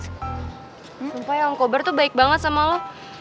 sumpah yang om kobar tuh baik banget sama lo